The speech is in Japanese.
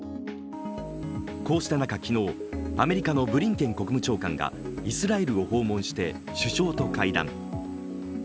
こうした中、昨日、アメリカのブリンケン国務長官がイスラエルを訪問して首相と会談。